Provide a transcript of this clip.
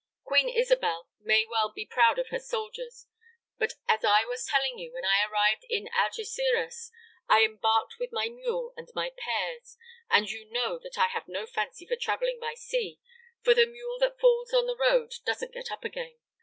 Queen Isabel may well be proud of her soldiers. But as I was telling you, when I arrived at Algeciras I embarked with my mule and my pears; and you know that I have no fancy for travelling by sea; for the mule that falls on that road doesn't get up again.